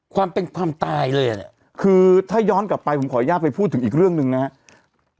ความเป็นความตายเลยอ่ะเนี่ยคือถ้าย้อนกลับไปผมขออนุญาตไปพูดถึงอีกเรื่องหนึ่งนะครับ